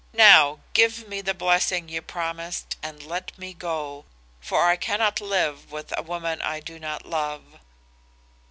Now give me the blessing you promised and let me go; for I cannot live with a woman I do not love.